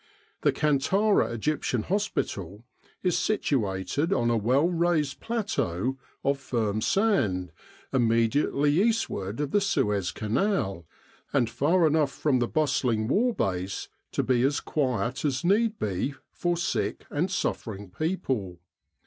The Kantara Egyptian Hospital is situated on a w r ell raised plateau of firm sand immediately eastward of the Suez Canal, and far enough from the bustling war base to be as quiet as need be for sick and suffering people.